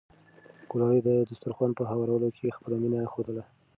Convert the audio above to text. ګلالۍ د دسترخوان په هوارولو کې خپله مینه ښودله.